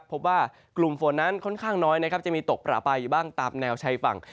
พบว่ากลุ่มฝนนั้นค่อนข้างน้อยนะครับจะมีตกประปายอยู่บ้างตามแนวชายฝั่ง